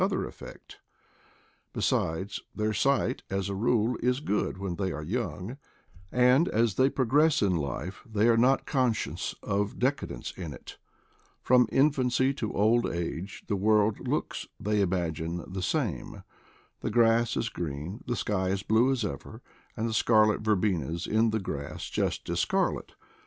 other effect? Besides, their sight as a rule is good when they are young, and as they progress in life they are not conscious of deca dence in it; from infancy to old age the world looks, they imagine, the same, the grass as green, the sky as blue as ever, and the scarlet verbenas in the grass just as scarlet.